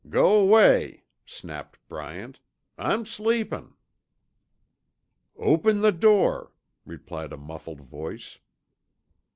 "G'way," snapped Bryant, "I'm sleepin'." "Open the door," replied a muffled voice.